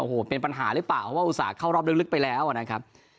โอ้โหเป็นปัญหาหรือเปล่าเพราะว่าอุตส่าหเข้ารอบลึกไปแล้วนะครับ